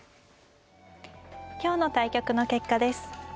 今日の対局の結果です。